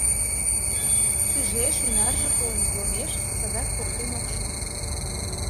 Шижеш: ӱнарже койын йомеш, садак поктен ок шу.